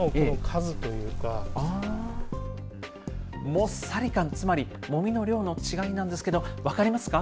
もっさり感、つまりもみの量の違いなんですけれども、分かりますか？